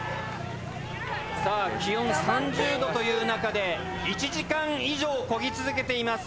さあ気温３０℃という中で１時間以上漕ぎ続けています